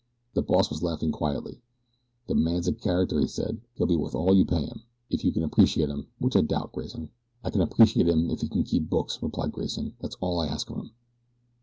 The boss was laughing quietly. "The man's a character," he said. "He'll be worth all you pay him if you can appreciate him, which I doubt, Grayson." "I ken appreciate him if he ken keep books," replied Grayson. "That's all I ask of him."